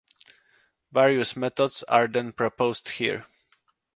Various methods are then proposed here.